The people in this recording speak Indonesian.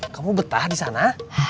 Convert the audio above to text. kamu betah disana